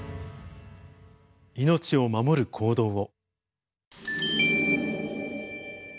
命を守る行動を。